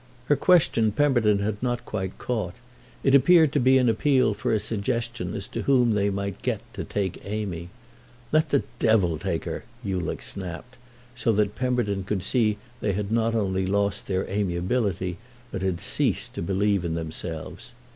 Her question Pemberton had not quite caught; it appeared to be an appeal for a suggestion as to whom they might get to take Amy. "Let the Devil take her!" Ulick snapped; so that Pemberton could see that they had not only lost their amiability but had ceased to believe in themselves.